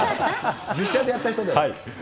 実写でやった人だね。